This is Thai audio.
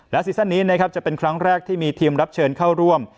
และซีซ่อนนี้จะเป็นครั้งแรกที่มีทีมรับเชิญเข้าร่วม